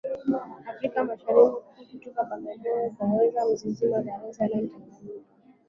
Afrika Mashariki Kutoka Bagamoyo na kuyaweka mzizima Dar es Salaam tanganyika